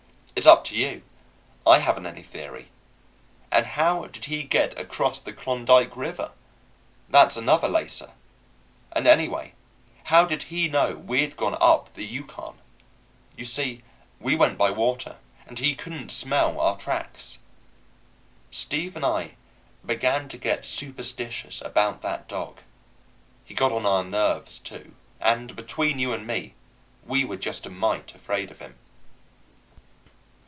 It's up to you. I haven't any theory. And how did he get across the Klondike River? That's another facer. And anyway, how did he know we had gone up the Yukon? You see, we went by water, and he couldn't smell our tracks. Steve and I began to get superstitious about that dog. He got on our nerves, too; and, between you and me, we were just a mite afraid of him.